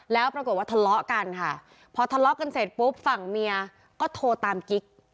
แล้วปรากฏว่าทะเลาะกันค่ะพอทะเลาะกันเสร็จปุ๊บฝั่งเมียก็โทรตามกิ๊ก